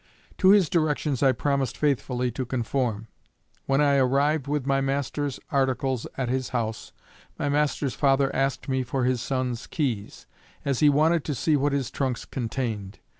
To his directions I promised faithfully to conform. When I arrived with my master's articles at his house, my master's father asked me for his son's keys, as he wanted to see what his trunks contained.